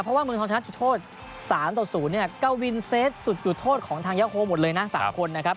เพราะว่าเมืองทองชนะจุดโทษ๓ต่อ๐เนี่ยกวินเซฟสุดจุดโทษของทางยาโฮหมดเลยนะ๓คนนะครับ